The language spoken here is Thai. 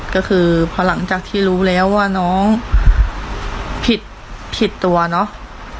ก็คือพอหลังจากที่รู้แล้วว่าน้องผิดผิดตัวเนาะ